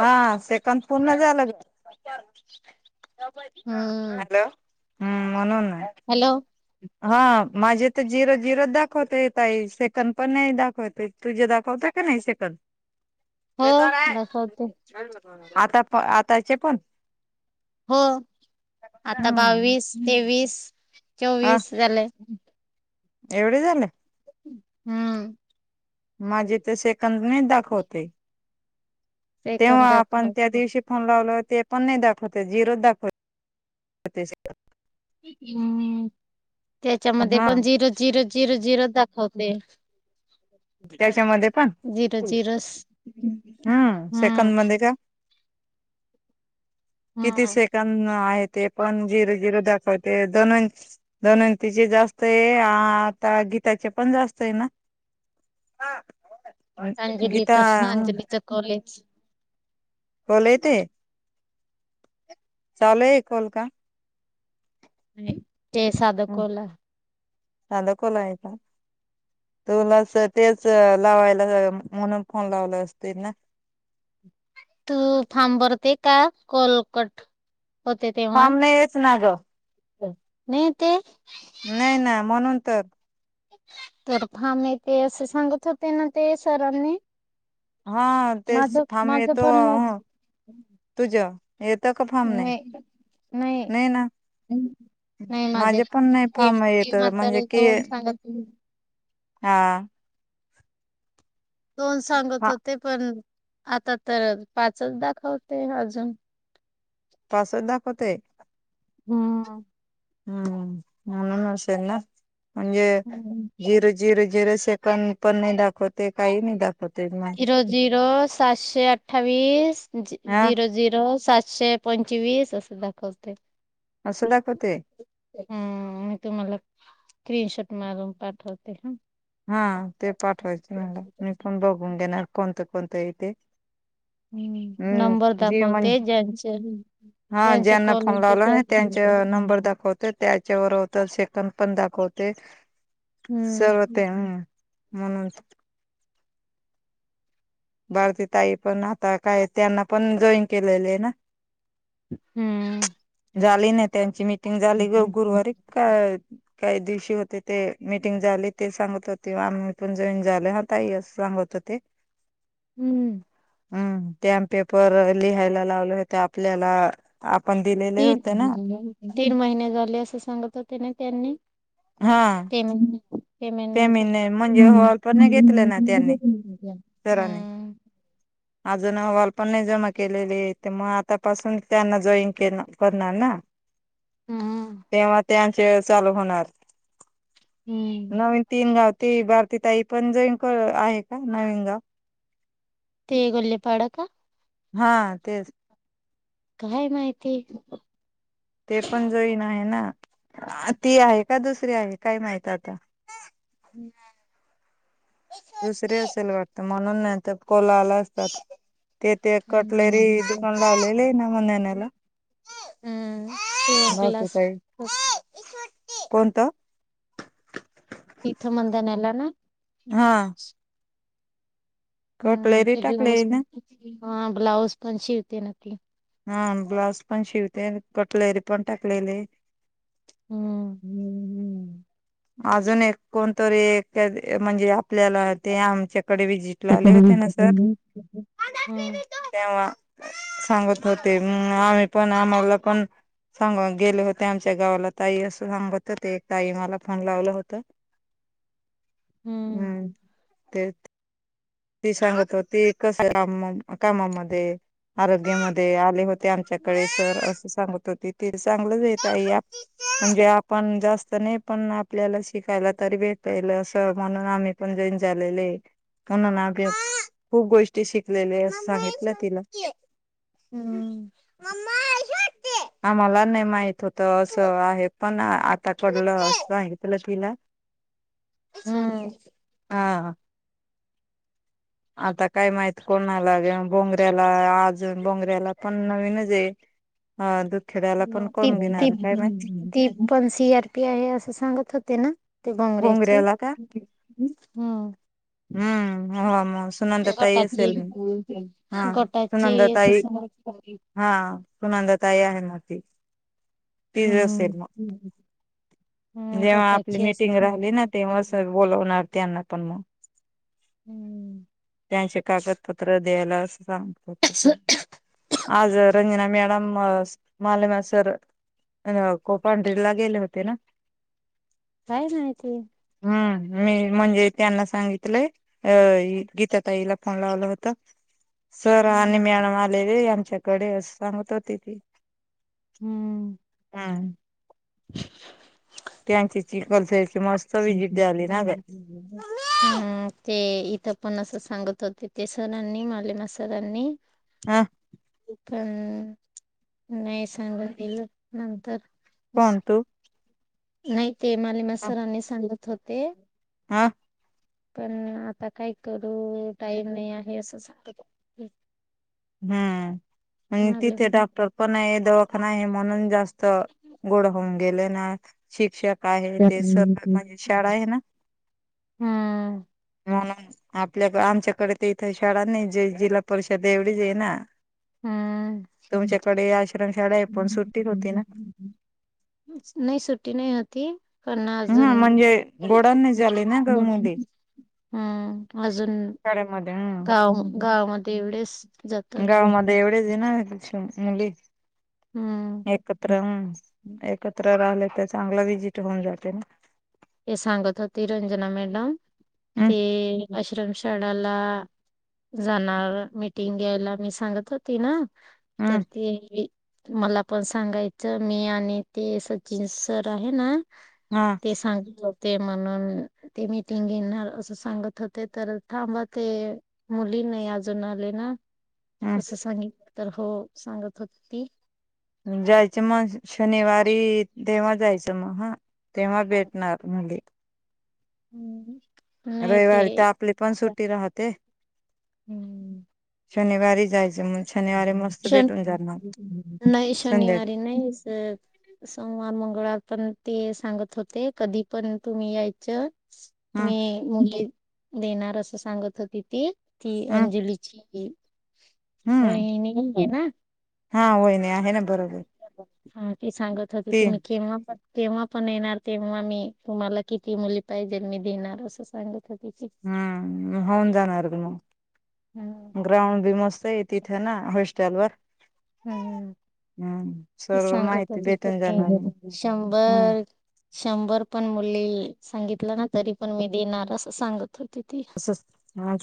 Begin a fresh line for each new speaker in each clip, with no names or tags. हा सेकंद पूर्ण झालं [inaudible]
हम्म
हॅलो... हम्म... म्हणून हे.
हॅलो.
हा... माझे तर झिरो झिरो दाखवत ये ताई... सेकंद पण नई दाखवत ए. तुझ्या दाखवता का नाही सेकंद?
हो
ते तर हे.
दाखवते.
छान... [unintelligible] आता... आताचे पण!
हो... आता...
हम्म
बावीस, तेवीस,
हा
चोवीस झाले.
एवढे झाले?
हम्म.
माझे तर सेकंदने दाखवते. तेव्हा...
सेकंद
आपण त्या
दाखवते
दिवशी फोन लावला... ते पण नाई दाखवते... झिरो दाखवते. [unintelligible]
हम्म... त्याच्यामध्ये
हा
पण... झिरो झिरो झिरो झिरोच दाखवते.
त्याच्यामध्ये पण
जिरो... जिरोस... हं...
हम्म
हा.
सेकंद मध्ये का किती
हम्म
सेकड आहे... ते पण... झिरो झिरो दाखवते... धनो धनोयंतीचे जास्त ए... आता गीताचे पण जास्त ए ना? हा... मग काय हॉस्पिटल ए... [unintelligible]
अंजली
गीता?
तर अंजलीच कॉलेज.
बोलाय येतेय... चालू ए कॉल का?
नई... ते सादं कोला.
साधा कॉल हाये का? तुला... तेच... लावायला.... म्हणून फोन लावला असतील ना?
तू थांबरती का? कॉल कट
थांबेच ना गं.
चल.. नई येत ए?
नइना... म्हणून तर.
तर... फ़ार्म येते असे... सांगत होते ना... ते सरांनी!
हा...
माझ
तेच... फार्म
माझं
येतो...
पण
तुझं येतं का... का फॉर्म नई... नई ना
नाई माझे...
पण नाही फॉर्म येत म्हणजे कि
[unintelligible] सांगत [unintelligible]
हा.
दोन सांगत होते... पण... आता तर.. पाचच दाखवते अजून.
पासच दाखवते?
हम्म.... हा.
हम्म... म्हूनन असेल ना म्हणजे? झिरो झिरो झिरो... सेकंड.. पण नाई दाखवते... काई नाई दाखव
झिरो झिरो... सातशे अठ्ठावीस....
हा
झिरो झिरो सातशे पंचवीस... असं दाखवतय.
असं दाखवतय?
अ्या... तुम्हाला स्क्रीन शॉर्ट मारून पाठवते... हा.
हा ते पाठवायचंय मला... मी पण बघून घेणार कोणतं कोणतं ए इथे
ह्म्म्म.... नंबर दाखवते... ज्यांचं
हा. ज्यांना फोन लावला ना... त्यांचा नंबर दाखव त्याच्यावर होत सेकड पण दाखवते.
हम्म
सर्व ते हम्म. म्हणून त. बारती ताई पण आता काय त्यांना पण जॉईन केलेले आहे ना.
हम्म.
झाली नाही त्यांची मिीटिंग झाली. ग गुरुवारी का काही दिवशी होते. ते मीटिंग झाले ते सांगत होते आम्ही पण जॉईन झाल. ताई हेच सांगत होते.
हम्म.
हम्म स्टॅम्प पेपर लिहायला लावले होते आपल्याला. आपण दिलेले
तीन
होते ना.
तीन महिने झाले असं सांगत होते ना त्यांनी ते.
फेमीने म्हणजे हॉलपने घेतले ना त्यानी सराने. अजून अवालपण नाही जमा केलेली. ते मग आतापासून त्यांना जॉईन केल करणार ना.
हा
तेव्हा त्यांचे चालू होणार.
हम्म.
नवीन तीन गाव ती, भारती ताई पण जोईन पण आहे का? नवीन गाव?
ते इगोली पाड का?
हा तेच.
काय माहिती?
ते पण जोईन आहे ना. ती आहे का दुसरी आहे. काय माहित आता.
हम्म.
दुसरी असेल वाटत. म्हणून नाही त कॉल आला अस ते ते
हम्म
कटलरी दुकान लावलेलेयना. मनेण्याला?
स
बाकी
ग्लास
काही
[unintelligible]
कोणतं?
इथ मंदण्याला ना?
ह.
हम्म
कटलेरी
ते
टाकले
ब्लाज,
ना
ब्लाउज पण शिवते ना ती.
हा ब्लाज पण शिवते. अन कटलेरी पण टाकलेलीय. हम्म हम्म. अजून एक कोणतरी. म्हणजे आपल्याला ते आमच्याकडे विजिट.
च
ला
ह
आले होते ना सर
[unintelligible]
तेव्हा सांगत होते. आम्ही पण, आम्हाला पण सांग गेले होते आमच्या गावाला. ताई असं सांगत होते. ताई मला फोन लावलं होत. हम्म तेच. ती सांगत होती कस आहे काम कामामध्ये. आरोग्यामध्ये आले होते. आमच्याकडे सर. असं सांगत होते ते. चांगलंचे ताई ऍप. म्हणजे आपण जास्त नाही. पण आपल्याला शिकायला तरी भेटईल अस. म्हणून आम्ही आपण जोईन झालेलय. म्हणून आ खूप गोष्टी शिकलेलेय. असं सांगितलं तिला.
हम्म.
आम्हाला नाही माहित होत असं आहे. पण आता कडलं अस सांगितलं तिला.
हम्म.
हा. आता काय माहित कोणालाे बोंगऱ्याला आज. बोंगऱ्याला पण नवीनचे. हा दुखेड्याला पण
ती
कोण
ती
घेणार काय माहिती?
ती पण स आर पी आहे. असं सांगत होते ना? ते बहारेची,
बोंगऱ्याला का
हा.
हम्म हा म.. सुनंदा ताई
गटाची,
असेल मग.
गटाची
सुनंदा ताई
सुसमा
हा नंदा ताई आहे म ते. तिज
हम्म
असेल मग
हम्म
जेव्हा आपली
गटाची
मि
असं
राहिली
सांगत
ना
होते.
तेव्हा सर बोलवणार त्यांना पण मग.
हम्म
त्यांचे कागदपत्र द्यायला अस सांगत होते. आज रंजना मॅडम, मालेमा सर कोपांढरी ला गेले होते ना?
काय नाही ते.
हम्म, मी म्हणजे त्यांना सांगितलंय अ गीता ताईला फोन लावला होता. सर
हम्म
आणि मॅडम आलेले आमच्याकडे असं सांगत होते ती.
हम्म.
हम्म.
[inaudible]
त्यांची चिखलसची मस्त विजिट झाली ना ग.
ह ते इथं पण असं सांगत होते ते सरांनी मले म सरांनी
हा.
पण नाही सांगून दिल नंतर अस-
कोण तु?
नाही ते मालेम सरनी सांगत होते
हा.
पण आता काय करू टाईम नाही आहे असं सांगत होते.
हम्म,
म्हणाले
तिथे
मग
डॉक्टर पण आहे दवाखाना आहे म्हणून जास्त तर गोड होऊन गेले ना शिक्षक आहे ते
हम्म
सर्व शाळा आहे ना. म्हणून आपल्या आमच्याकडे ते इथे शाळा नाही ज जिल्हा परिषदे विजे ना
हम्म.
तुमच्याकडे आश्रमशाळा आहे पण सुट्टी होती ना.
नाही सुट्टी नाही होती. पण अजून
ह म्हणजे गोडान नाही झाली ना ग मुली
हम्म, अजून
शाळेमध्ये ह.
गाव गावामध्ये एवढेच जात
गावामध्ये एवढेच आहे ना मुली.
हम्म.
एकत्र, एकत्र राहिले तर चांगलं विजिट होऊन जाते ना.
हे सांगत होती रंजना मॅडम
हम्म
ते आश्रम शाळेला जाणार मीटिंग घ्यायला मी सांगत होती ना.
हम्म
तर ते मला पण सांगायचं मी आणि ते सचिन सर आहे ना
हा.
ते सांग होते म्हणून ते मीटिंग घेणार असं सांगत होते तर थांब ते मुली नाही अजून आले ना. असं सांगितलं. तर हो. सांगत होत ती.
जायचं मग शनिवारी. तेव्हा जायचं मग. हा. तेव्हा भेटणार मुली.
अ, हम्म. नाही ते
रविवारी त्या प आपली पण सुटी राहते.
हम्म
शनिवारी जायचं म्ह
शन, नाही.
संध्या
शनिवारी नाही सन. सोमवार, मंगळवार पण ते सांगत होते. कधी पण तुम्ही यायचं.
हम्म
मी मुली देणार असं, सांगत होती ती. ती
हम्म
अंजलीची,
हम्म
वहिणीय ना?
हा, वहिनी आहे ना बरोबर.
हा, ती सांगत होती.
ती
तुम्ही केव्हा पण तेव्हा पण येणार. तेव्हा मी, तुम्हाला किती मुली पाहिजे मी देणार. असं सांगत होती ती.
हम्. होऊन जाणार गं मग.
ह.
ग्राउंड बी मस्ताय. तिथं ना, हॉस्टेल वर.
हम.
हम्म
ती
सर्व
सांगत
माहिती भेटून
होती.
जाणार
[unintelligible]
हम्म
शंभर. शंभर पण मुली सांगितलं ना. तरी पण मी देणार. असं सांगत होती ती.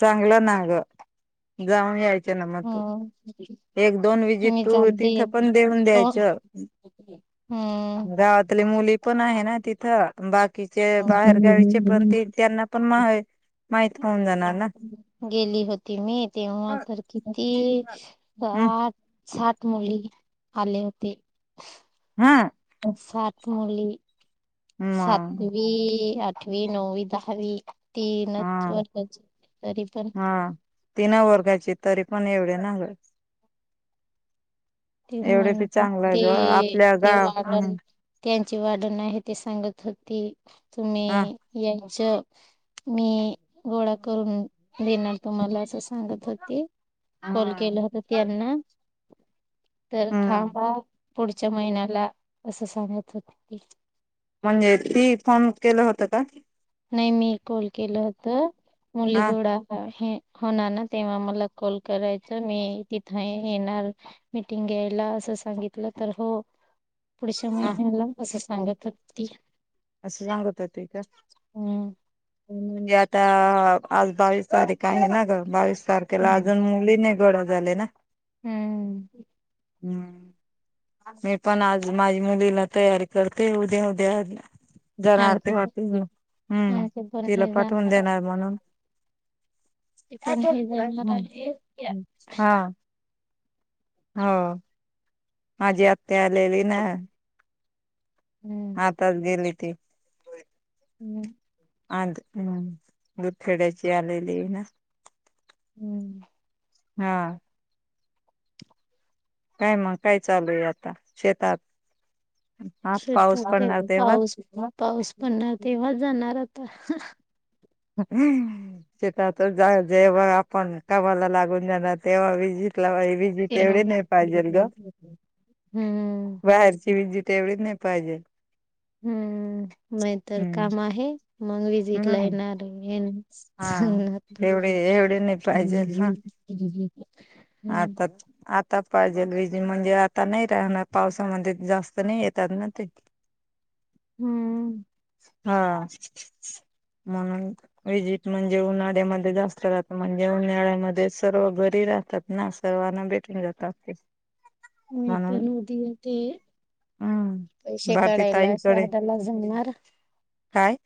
चांगलं ना गं. जाऊन यायचं. ना मग तू.
हम्म
एक - दोन विजीट
मी
तू,
जाते
तिथं पण देऊन
तो
द्यायच.
हम्म.
गावातली मुली पण आहे ना, तिथं. बाकीचे बाहेर गावीचे. पण ते त्यांना पण मावे
गेली होती मी. तेव्हा तर किती
हम्म
आठ - साठ मुली, आले होती.
हा.
सात मुली
मग
सातवी, अठ, वी नोवी, दहावी.
हा
तीनच वर्गाचं. तरी पण
हा तीन वर्गाचे, तरी पण एवढे ना होत.
ते
एवढे
म्हण
बी, चांगलंय
ते
गं. आपल्या
ते
गाव
वाढण त्यांची वाढण आहे ती सांगत होती.
हा
तुम्ही या च मी गोळा करून देणार तुम्हाला. असं सांग सांगत होती. कॉल केलं होत त्यांना. तर,
हम्म
थांबा. पुढच्या महिन्याला. असं सांगत होती ती
म्हणजे ती फोन केलं, होतं का?
नाही मी कॉल केलं होतं. मुली
हा
[unintelligible] हे. हो. नाना तेव्हा मला कॉल करायचां. मी येई -तिथे येणार. मिीटिंग घ्यायला असं सांगितलं. तर हो. पुढच्या
ह
महिन्याला. असं सांगत होती ती.
असं सांगत होति का?
हम.
म्हणजे आता आज बावीस तारीख आहे ना गं. बावीस तारखेला
हम्म
अजून मुली नाही गोळा झाले ना.
हम्.
हम्मं मी पणं आंज माझी मुलीला तयारी करते उद्यां उद्यां जाणारं
आमचे
तेंव्हा ते हम्मं
आमचे पण
तिलां
हे
पाठवूंन
जाणार आहे,
देणारं म्हणूंन
ते पण हे
त्यांचवांय
जाणार
हंम
आहे
हां होयं माझी आंत्या आलेली नां हं
हम्म
आंताज गेली ती
हम्मं
आंज हम्मं दुखड्यांची आलेली नां ते पणं
हम्मं
हां कायं मंग कायं चालूं आहे आंता शेतांत हां पाऊस
शेतात काय
पडणांर तेंव्हा चं
पाऊस पाऊस पडणांर तेंव्हा चं जाणारं आंता
हम्मं जेंव्हा आपणं कामांला लागूंन जाणारं तेंव्हा बी जितलां बां बी
तेव्हा
तेवढं नाहीं पाहिजे गं
हम्म
बाहेरची विजत एवढी नाहीं पाहिजे
हम्मं नाहींतरं
हम्म
कामं आहे मंग विजिकलां येणारं ये सांगणार
हां एवढे एवढे नाहीं पाहिजे हं
हम्म
आंता
हम्म
आंता पाहिजे विजय म्हणजे आंता नाहीं राहणांर पावसांमध्यें जास्तं नाहीं येतांत नां ते [inaudible] [unintelligible]
हम्म
हां हां म्हणूंन पाहिजे तं म्हणजे उन्हाळ्यांमध्यें जास्तं राहतां म्हणजे उन्हाळ्यांमध्ये सर्व घरी राहतांत नां सर्वांना भेटूंन जातांत ते
मी
म्हणून
पणं उदी होते
हम्म
पैसे
भारती
काढांयला शहांदाला जमणांर
कायं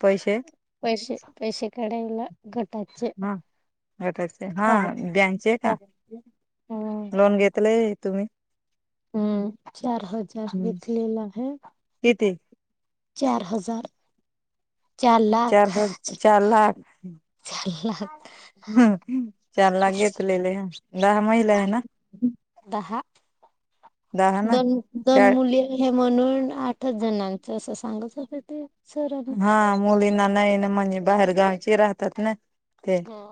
पैसे
पैसे पैसे काढांयला गटांचे
हां गटांचे हां बँकचे आहे कां
हम्म
लोनं घेतलंय तुम्हीं
हम्मं चार हजांर घेतलेला आहे
तीेथे
चार हजांर
चार हं चार लाखं
चार लाख
चार लाखं घेतलेले दहा महिने झाले नां
दहा
दहा ना
दोन दोन मुली हे म्हणूंन आठचं जणांचं असं सांगतं होते ते सरांनी.
हां मुलींना नाहीं नां म्हणजे बाहेरगावांची राहतांत नां
हां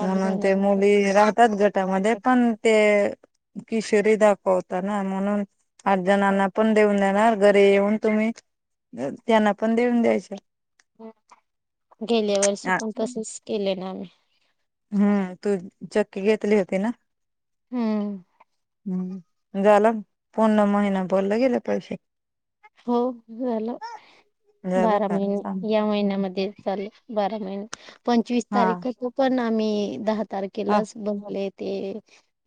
म्हणूंन ते मुली राहतांत गटांमध्ये पणं ते कि शरीर दाखवंता नां म्हणूंन आठ जणांना पणं देऊंन देणारं घरी येऊंन तुम्हीं त्यांनां पणं देऊंन द्यायचं
गेल्यां वर्षी पणं तसेच केले नां आम्हीं
हम्मं तूं चक्की घेतली होती नां
हम्मं
हम झाला पूण महिना बोलल गेल पाहिजे.
हो झालं
झालं
बारा
का
महिने
सांग
या महिन्यामध्ये. चाले बारा महिने पंचवीस
हा
तारीख [unintelligible] पण आम्ही दहा
हा
तारखेलाच बनवलय ते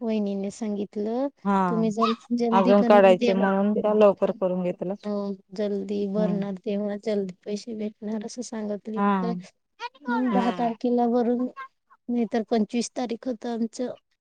वहिनींनी सांगितलं
हा
तुम्ही ज जलदी
अजून
कर
काढायचे म्हणून त्या लवकर
[unintelligible]
करून घेतलं
हो जल्दी
हम्म
भरणार तेव्हा जल्दी पैसे भेटणार असं सांगितलीत
हा
काय.
हम्म.
किलावरून नाही तर पंचवीस तारीख होत आमचं.